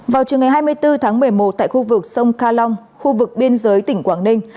vào trường ngày hai mươi bốn tháng một mươi một tại khu vực sông ca long khu vực biên giới tỉnh quảng ninh